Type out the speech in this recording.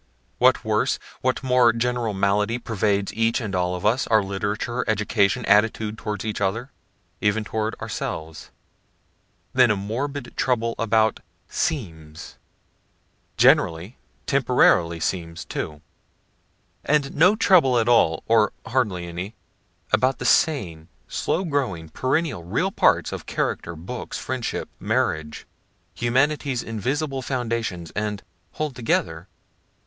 What worse what more general malady pervades each and all of us, our literature, education, attitude toward each other, (even toward ourselves,) than a morbid trouble about seems, (generally temporarily seems too,) and no trouble at all, or hardly any, about the sane, slow growing, perennial, real parts of character, books, friendship, marriage humanity's invisible foundations and hold together?